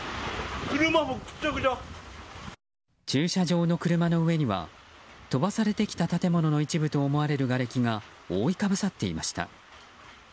駐車場の車の上には飛ばされてきた建物の一部と思われるがれきが覆いかぶさっていました。